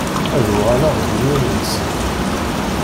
Ad uɣaleɣ d yiwen-nnsen.